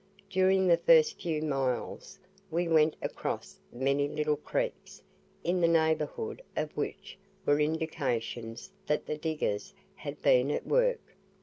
During the first few miles, we went across many little creeks, in the neighbourhood of which were indications that the diggers had been at work.